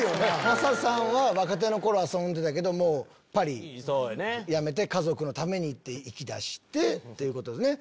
雅さんは若手の頃遊んでたけどきっぱりやめて家族のためにって生きだしてということですね。